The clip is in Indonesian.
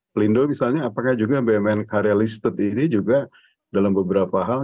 pelindo misalnya apakah juga bumn karya listed ini juga dalam beberapa hal